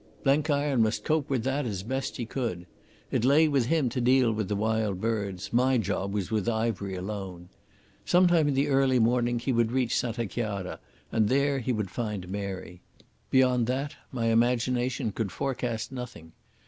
Blenkiron must cope with that as best he could. It lay with him to deal with the Wild Birds, my job was with Ivery alone. Sometime in the early morning he would reach Santa Chiara, and there he would find Mary. Beyond that my imagination could forecast nothing.